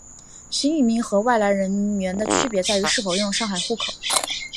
新移民和外来人员的区别在于是否拥有上海户口。